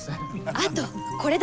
あとこれだ。